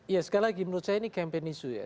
ya sekali lagi menurut saya ini campaign issue ya